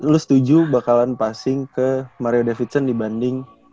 lu setuju bakalan passing ke mario davidson dibanding